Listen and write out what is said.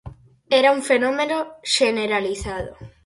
Era un fenómeno xeneralizado.